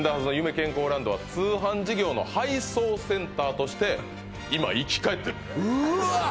健康ランドは通販事業の配送センターとして今生き返ってるうわ！